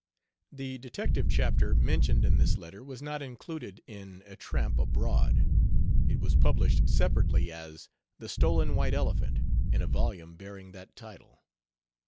The "detective" chapter mentioned in this letter was not included in 'A Tramp Abroad.' It was published separately, as 'The Stolen White Elephant' in a volume bearing that title.